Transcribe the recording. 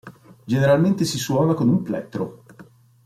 Generalmente si suona con un plettro.